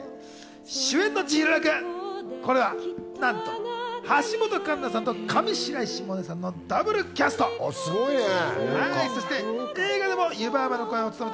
主演の千尋役はなんと橋本環奈さんと上白石萌音さんのダブルキャすごいね。